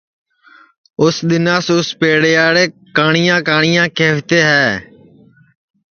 اُس دؔناس اُس پیڑیاڑے کاٹؔیا کاٹؔیا کیہوتے ہے